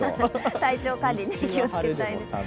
体調管理に気をつけたいですね。